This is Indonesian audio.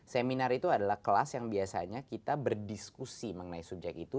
seminar itu adalah kelas yang biasanya kita berdiskusi mengenai subjek itu